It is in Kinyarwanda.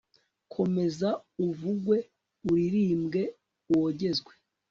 komeza uvugwe uririmbwe, wogezwe